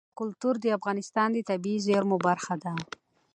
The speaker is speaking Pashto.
کلتور د افغانستان د طبیعي زیرمو برخه ده.